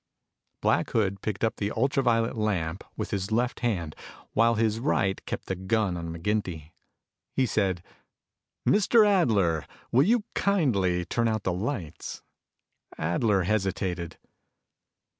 Black Hood picked up the ultra violet lamp with his left hand while his right kept the gun on McGinty. He said, "Mr. Adler, will you kindly turn out the lights." Adler hesitated.